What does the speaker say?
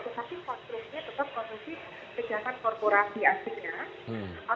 tetapi konstruksi tetap konstruksi kejahatan korporasi aslinya